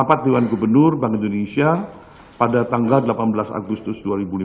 rapat dewan gubernur bank indonesia pada tanggal delapan belas agustus dua ribu lima belas